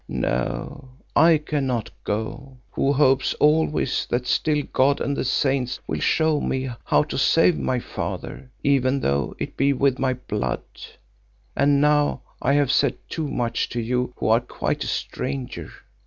No, I cannot go, who hopes always that still God and the Saints will show me how to save my father, even though it be with my blood. And now I have said too much to you who are quite a stranger.